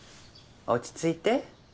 落ち着いて。